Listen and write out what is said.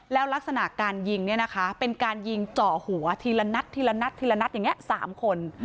แล้วลักษณะการยิงเนี่ยนะคะเป็นการยิงเจาะหัวทีละนัดทีละนัดทีละนัดอย่างนี้๓คน